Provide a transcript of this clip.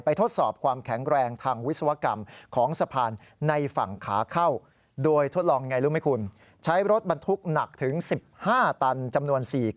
ไปทดสอบความแข็งแรงทางวิศวกรรมของสะพานในฝั่งขาเข้า